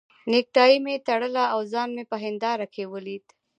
نېکټایي مې تړله او ځان مې په هنداره کې ولید.